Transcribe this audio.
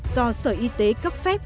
do sở y tế cấp pháp